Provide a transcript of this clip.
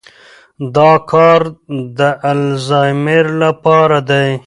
دا کار د الزایمر لپاره دی.